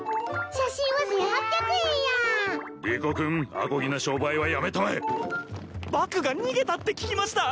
写真は１８００円やリコ君あこぎな商売はやめたまえバクが逃げたって聞きました